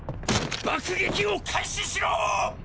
爆撃を開始しろ！！